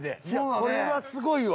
これはすごいわ。